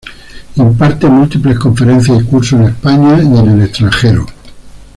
Imparte múltiples conferencias y cursos en España y en el extranjero.